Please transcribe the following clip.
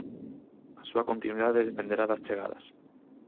A súa continuidade dependerá das chegadas.